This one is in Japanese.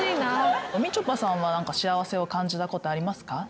みちょぱさんは幸せを感じたことありますか？